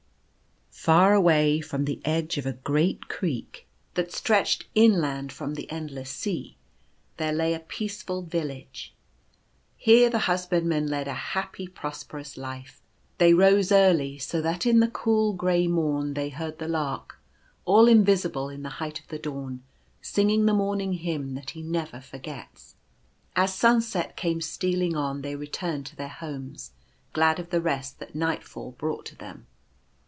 sAR away on the edge of a great creek, that stretched inland from the endless sea, there lay a peaceful village. Here the husbandmen led a happy, prosperous life. They rose early, so that in the cool grey morn they heard the lark, all invisible in the height of the dawn, singing the morning hymn that he never forgets. As sunset came stealing on, they returned to their homes, glad of the rest that nightfall brought to them.